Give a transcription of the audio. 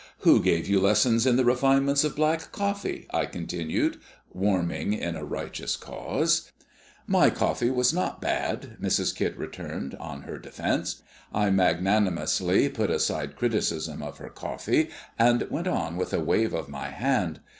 "Who gave you lessons in the refinements of black coffee?" I continued, warming in a righteous cause. "My coffee was not bad," Mrs. Kit returned, on her defence. I magnanimously put aside criticism of her coffee, and went on with a wave of my hand.